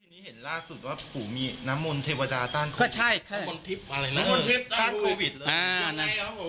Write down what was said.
เห็นล่าสุดว่าปู่มีน้ำมนต์เทวดาต้านโควิด